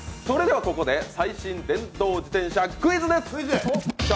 それではここで最新・電動自転車クイズです。